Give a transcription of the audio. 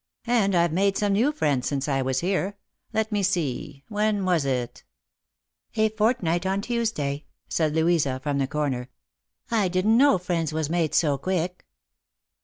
And I've made some new friends since I was here. Let me see, when was it ?" "A fortnight on Tuesday," said Louisa, from the corner. " I didn't know friends was made so quick."